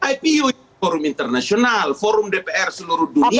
ipu forum internasional forum dpr seluruh dunia